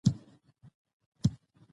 بانکونه د خلکو د پيسو ارزښت ساتي.